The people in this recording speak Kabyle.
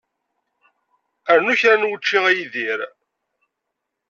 Rnu kra n wučči a Yidir.